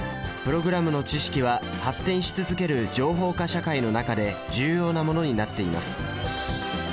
プログラムの知識は発展し続ける情報化社会の中で重要なものになっています。